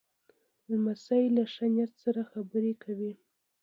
لمسی له ښه نیت سره خبرې کوي.